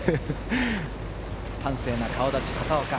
端正な顔立ち、片岡。